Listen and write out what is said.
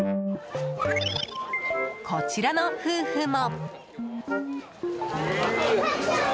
こちらの夫婦も。